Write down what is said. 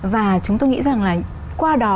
và chúng tôi nghĩ rằng là qua đó